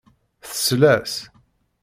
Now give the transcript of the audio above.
Tsell-as.